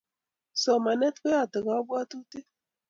Somanet koyate kapwatutik